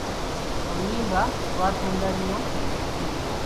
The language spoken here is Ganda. Oluyimba lwatunda nnyo e Nigeria.